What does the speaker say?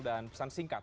dan pesan singkat